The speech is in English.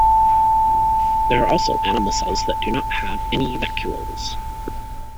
There are also animal cells that do not have any vacuoles.